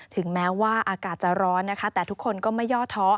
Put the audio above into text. ถึงแม้ว่าอากาศจะร้อนนะคะแต่ทุกคนก็ไม่ย่อท้อ